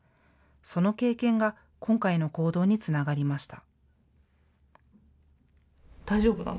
その経験が今回の行動につながりました。